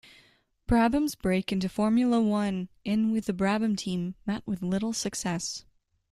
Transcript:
Brabham's break into Formula One in with the Brabham team met with little success.